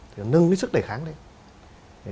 thì nó nâng cái sức đề kháng đấy